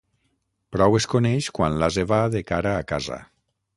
Prou es coneix quan l'ase va de cara a casa.